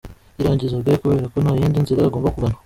Yiragizaga kubera ko nta yindi nzira agomba kugana.